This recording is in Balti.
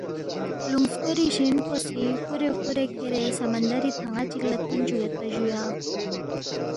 خلوُنگ سکوری شین پو سی فُورے فُورے کھیرے سمندری تھن٘ا چِک لہ تھون چُوگیدپا جُویا